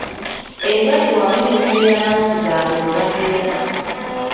Endwadde wamu n’embeerabantu zaabwe mwe babeera.